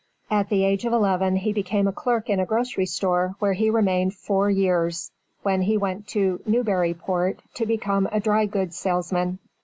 At the age of eleven he became a clerk in a grocery store where he remained four years, when he went to Newburyport to become a dry goods salesman.